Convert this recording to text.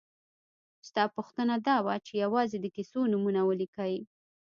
ستا پوښتنه دا وه چې یوازې د کیسو نومونه ولیکئ.